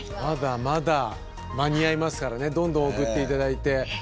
まだまだ間に合いますからねどんどん送って頂いて。